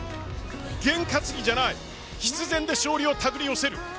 験担ぎじゃない必然で勝利を手繰り寄せる。